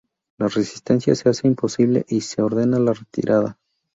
La resistencia se hace imposible y se ordena la retirada.